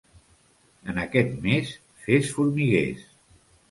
En aquest mes, fes formiguers.